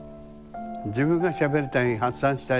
自分がしゃべりたい発散したいだけの話で。